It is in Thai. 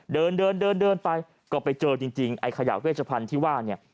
เดินไปก็ไปเจอจริงไอ้ขยะเวชพันธุ์ที่ว่า